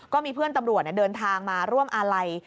ก็มีเพื่อนตำรวจเดินทางมาร่วมอาลัย